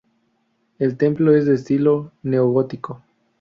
El templo es de estilo neogótico.